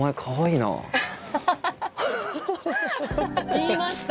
言いました！